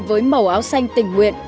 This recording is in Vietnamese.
với màu áo xanh tình nguyện